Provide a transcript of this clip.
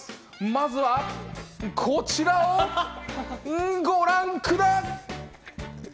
まずはこちらをご覧くだ。